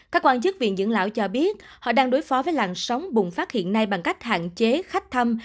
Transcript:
các quan chức viện dưỡng lão cho biết họ đang đối phó với làn sóng bùng phát hiện nay bằng cách hạn chế khách thăm